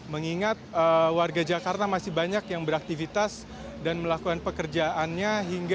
mengingat warga jakarta masih banyak yang beraktivitas dan melakukan pekerjaannya